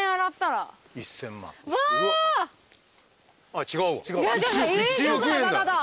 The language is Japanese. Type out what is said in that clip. あっ違うわ。